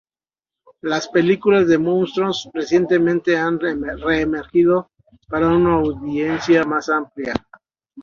Las películas de monstruos recientemente han re-emergido para una audiencia más amplia.